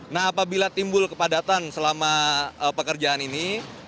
nah apabila timbul kepadatan selama pekerjaan ini